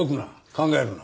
考えるな。